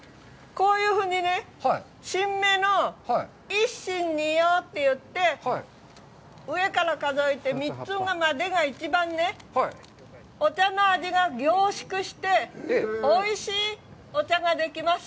こういうふうにね、新芽の一芯二葉って言って、上から数えて３つまでが一番、お茶の味が凝縮して、おいしいお茶ができます。